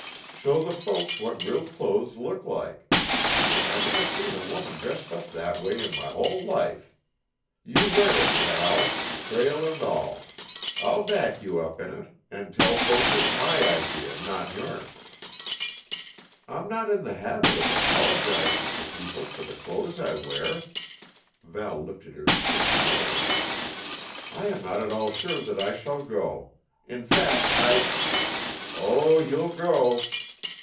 Show the folks what real clothes look like. I never seen a woman dressed up that way in my hull life. You wear it, Val, trail 'n' all. I'll back you up in it, and tell folks it's my idee, and not yourn." "I'm not in the habit of apologizing to people for the clothes I wear." Val lifted her chin haughtily. "I am not at all sure that I shall go. In fact, I " "Oh, you'll go!"